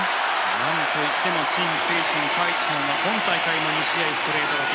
なんといってもチン・セイシン、カ・イチハンは今大会の２試合ストレート勝ち。